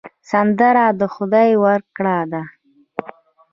سندره د خدای ورکړه ده